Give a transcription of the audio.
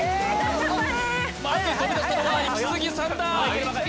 まず飛び出したのはイキスギさんだ